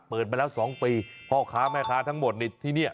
เปิดมาแล้ว๒ปีพ่อค้าแม่ค้าทั้งหมดในที่นี่